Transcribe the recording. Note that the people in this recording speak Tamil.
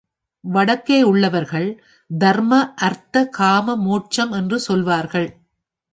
வடக்கே உள்ளவர்கள் தர்ம அர்த்த காம மோட்சம் என்று சொல்வார்கள்.